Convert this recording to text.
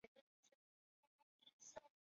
就真的吓到了